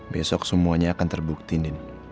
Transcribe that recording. besok semuanya akan terbukti nih